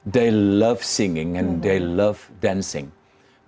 mereka suka menyanyi dan mereka suka menari